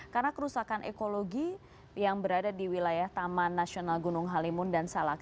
karena kerusakan ekologi yang berada di wilayah taman nasional gunung halimun dan salak